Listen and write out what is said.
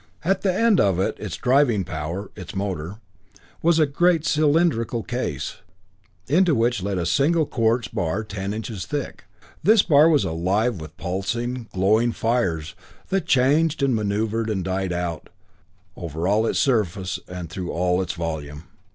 At the end of it, its driving power, its motor, was a great cylindrical case, into which led a single quartz bar ten inches thick. This bar was alive with pulsing, glowing fires, that changed and maneuvered and died out over all its surface and through all its volume.